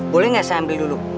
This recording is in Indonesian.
boleh nggak saya ambil dulu